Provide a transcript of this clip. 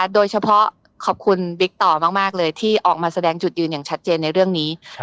โดยเฉพาะขอบคุณบิ๊กต่อมากเลยที่ออกมาแสดงจุดยืนอย่างชัดเจนในเรื่องนี้